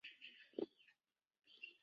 房角石是一属已灭绝的鹦鹉螺类。